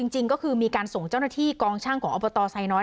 จริงก็คือมีการส่งเจ้าหน้าที่กองช่างของอบตไซน้อย